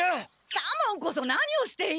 左門こそ何をしている？